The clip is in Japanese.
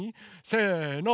せの。